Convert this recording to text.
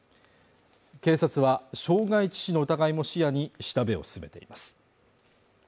警察は傷害致死の疑いも視野に調べを進めています。